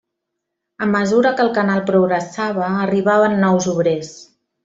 A mesura que el canal progressava arribaven nous obrers.